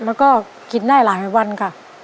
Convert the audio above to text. เพราะว่ามันประหยัดแล้วก็กินได้หลายวันค่ะ